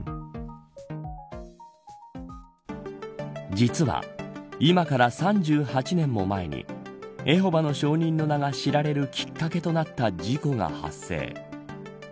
実は今から３８年も前にエホバの証人の名が知られるきっかけとなった事故が発生。